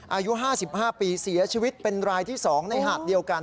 อายุ๕๕ปีเสียชีวิตเป็นรายที่๒ในหาดเดียวกัน